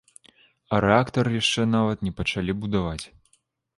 А рэактар яшчэ нават не пачалі будаваць.